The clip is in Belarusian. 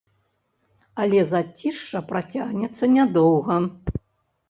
Але зацішша працягнецца нядоўга.